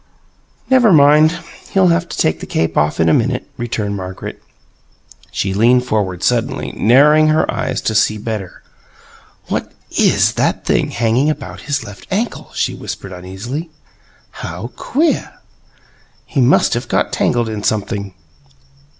"Never mind; he'll have to take the cape off in a minute," returned Margaret. She leaned forward suddenly, narrowing her eyes to see better. "What IS that thing hanging about his left ankle?" she whispered uneasily. "How queer! He must have got tangled in something."